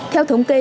theo thống kê